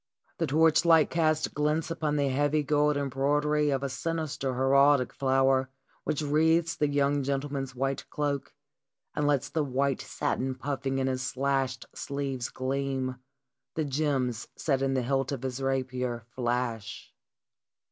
The torchlight casts glints upon the heavy gold embroidery of a sinister heraldic flower which wreathes the young gentleman's white cloak, and lets the white satin puffing in his slashed sleeves gleam, the gems set in the hilt of his rapier flash.